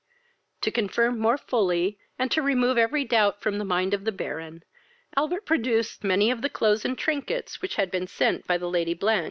To confirm more fully, and to remove every doubt from the mind of the Baron, Albert produced many of the clothes and trinkets which had been sent by the Lady Blanch.